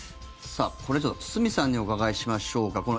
これ、ちょっと堤さんにお伺いしましょうか。